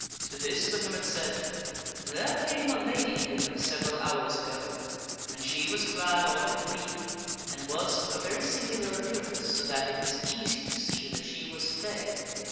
To this the hermit said, " There came a lady hither several hours ago, and she was clad all in green, and was of a very singular appearance, so that it was easy to see that she was fay.